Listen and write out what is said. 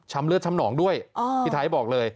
เลือดช้ำหนองด้วยพี่ไทยบอกเลย